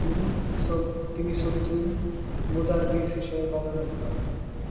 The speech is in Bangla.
তিনি সদরুল মুদাররিস হিসেবে পদোন্নতি পান।